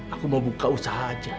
aku mau buka usaha aja